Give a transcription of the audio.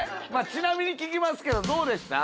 ちなみに聞きますけどどうでした？